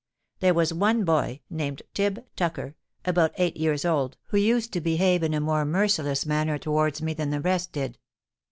There was one boy, named Tib Tucker, about eight years old, who used to behave in a more merciless manner towards me than the rest did.